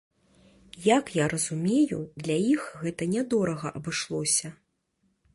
Як я разумею, для іх гэта нядорага абышлося.